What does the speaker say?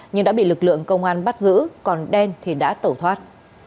nhưng đã bị lực lượng công an bắt giữ còn đen thì đã tẩu thoát